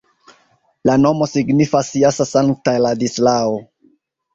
La nomo signifas jasa-sankta-Ladislao.